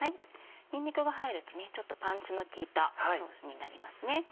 にんにくが入るとちょっとパンチの効いたソースになりますね。